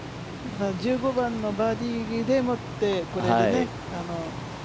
１５番のバーディーでもって、これでね。